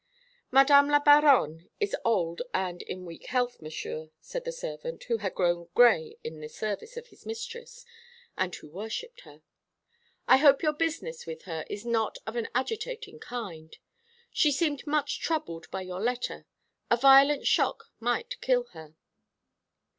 "Mdme. la Baronne is old and in weak health, Monsieur," said the servant, who had grown gray in the service of his mistress, and who worshipped her. "I hope your business with her is not of an agitating kind. She seemed much troubled by your letter. A violent shock might kill her."